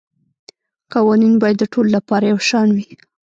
قوانین باید د ټولو لپاره یو شان وي